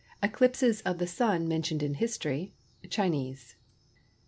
ECLIPSES OF THE SUN MENTIONED IN HISTORY—CHINESE.